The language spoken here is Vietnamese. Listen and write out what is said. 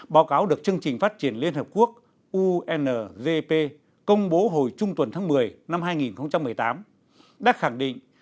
báo cáo được chương trình phát triển liên hợp quốc ungp công bố hồi trung tuần tháng một mươi năm hai nghìn một mươi tám đã khẳng định